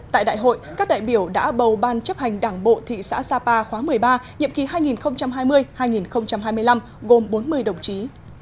tại đại hội các đại biểu đã bầu ban chấp hành đảng bộ thị xã sapa khóa một mươi ba nhiệm kỳ hai nghìn hai mươi hai nghìn hai mươi năm gồm bốn mươi đồng chí